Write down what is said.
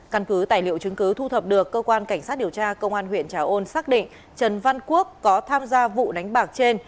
căn cứ tài liệu chứng cứ thu thập được cơ quan cảnh sát điều tra công an huyện trà ôn xác định trần văn quốc có tham gia vụ đánh bạc trên